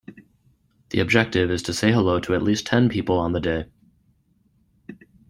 The objective is to say hello to at least ten people on the day.